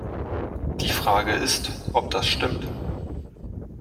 Die Frage ist, ob das stimmt.